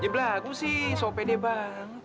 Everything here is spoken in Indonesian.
yablah aku sih sopede bang